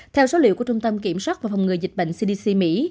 theo số liệu của trung tâm kiểm soát và phòng ngừa dịch bệnh cdc mỹ